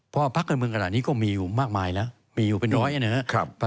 เพราะพักการเมืองขนาดนี้ก็มีอยู่มากมายแล้วมีอยู่เป็นร้อยนะครับ